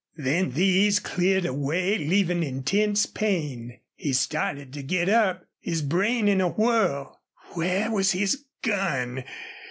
Then these cleared away, leaving intense pain. He started to get up, his brain in a whirl. Where was his gun?